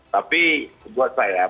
tapi buat saya ya